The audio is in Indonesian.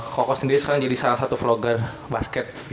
koko sendiri sekarang jadi salah satu vlogger basket